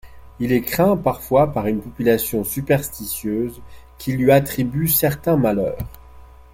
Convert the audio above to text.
Il est craint parfois par une population superstitieuse qui lui attribue certains malheurs.